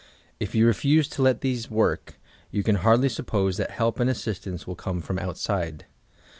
If you refuse to let these work, you can hardly suppose that help and assistance will come from outside.